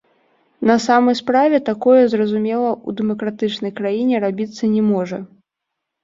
На самой справе, такое, зразумела, у дэмакратычнай краіне рабіцца не можа.